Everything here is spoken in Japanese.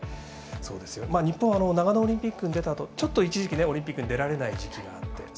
日本は長野オリンピックに出たあとちょっと一時期オリンピックに出られない時期があって。